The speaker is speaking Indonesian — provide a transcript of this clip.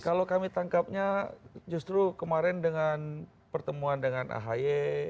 kalau kami tangkapnya justru kemarin dengan pertemuan dengan ahy